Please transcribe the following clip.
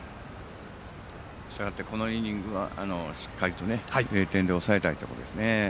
したがってこのイニングはしっかりと０点で抑えたいところですね。